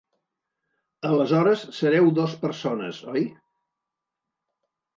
Aleshores sereu dos persones, oi?